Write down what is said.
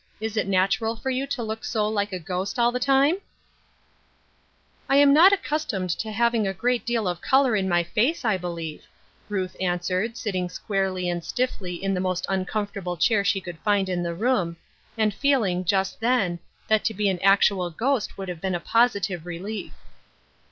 Is it natural for you to look so like a ghost all the time ?"'^ I am not accustomed to having a great deal of color in my face, I believe," Ruth answered, sitting squarely and stiffly in the most uncom fortable chair she could find in the room, and feeling, just then, that to be an actual ghost would be a positive relief.